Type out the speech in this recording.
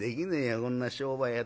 こんな商売やってちゃ。